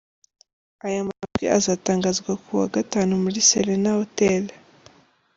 aya majwi azatangazwa kuwa Gatanu muri Serena Hotel.